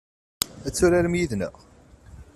Ad turarem yid-neɣ?